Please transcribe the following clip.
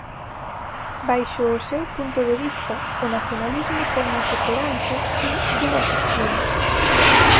Baixo o seu punto de vista, o nacionalismo ten hoxe perante si "dúas opcións".